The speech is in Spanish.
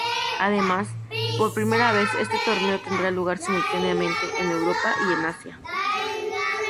Además, por primera vez este torneo tendrá lugar simultáneamente en Europa y en Asia.